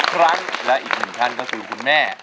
๑ครั้งและอีก๑ครั้งก็คุยคุณแม่